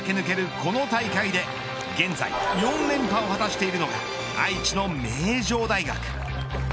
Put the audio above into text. この大会で現在４連覇を果たしているのが愛知の名城大学。